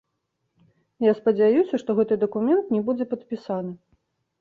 Я спадзяюся, што гэты дакумент не будзе падпісаны.